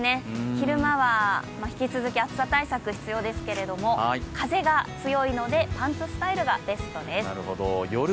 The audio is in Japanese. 昼間は引き続き暑さ対策が必要ですけれども、風が強いので、パンツスタイルがベストです。